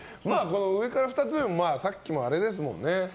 上から２つ目もさっきのあれですよね。